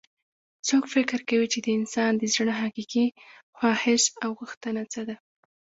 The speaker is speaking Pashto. څوک فکر کوي چې د انسان د زړه حقیقي خواهش او غوښتنه څه ده